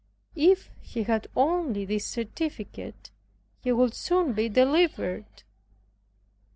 If he had only this certificate, he would soon be delivered.